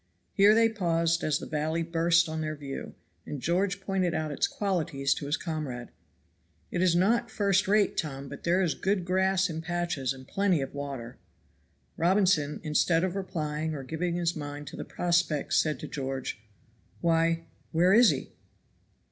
Here they paused as the valley burst on their view, and George pointed out its qualities to his comrade. "It is not first rate, Tom, but there is good grass in patches, and plenty of water." Robinson, instead of replying or giving his mind to the prospect said to George, "Why, where is he?"